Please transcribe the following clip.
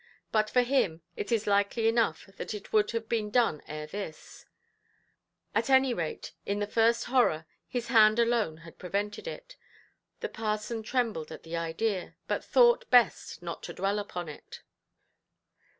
But for him, it is likely enough that it would have been done ere this; at any rate, in the first horror, his hand alone had prevented it. The parson trembled at the idea, but thought best not to dwell upon it.